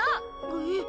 えっ？